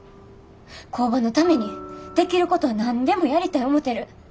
工場のためにできることは何でもやりたい思てる。